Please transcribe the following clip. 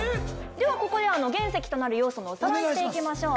ではここで原石となる要素のおさらいしていきましょう。